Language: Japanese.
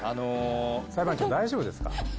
裁判長大丈夫ですか？